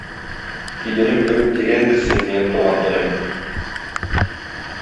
Иделем кебек тирәндер син, минем туган телем!